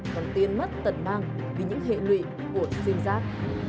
còn tiên mất tận mang vì những hệ lụy ổn diên giác